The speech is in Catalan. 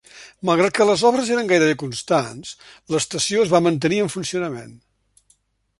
Malgrat que les obres eren gairebé constants, l'estació es va mantenir en funcionament.